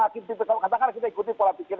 katakanlah kita ikuti pola pikir